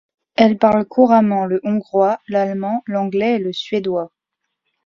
Elle parle couramment le hongrois, l'allemand, l'anglais et le suédois.